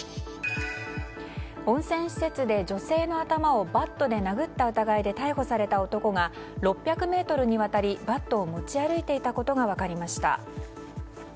温泉施設で女性の頭をバットで殴った疑いで逮捕された男が６００ｍにわたりバットを持ち歩いていたことが分かりました。